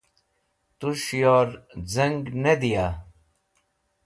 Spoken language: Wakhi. Tush yor zang ne dia?